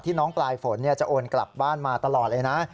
น้องปลายฝนจะโอนกลับบ้านมาตลอดเลยนะ